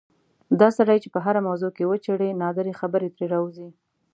دا سړی چې په هره موضوع کې وچېړې نادرې خبرې ترې راوځي.